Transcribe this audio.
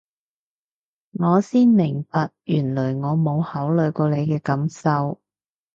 我先明白原來我冇考慮過你嘅感受